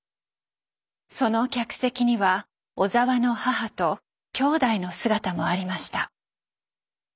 その客席には小澤の母と兄弟の姿もありました。